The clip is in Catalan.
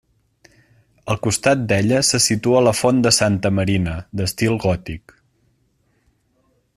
Al costat d'ella se situa la font de Santa Marina, d'estil gòtic.